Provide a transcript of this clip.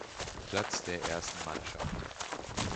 Platz der ersten Mannschaft.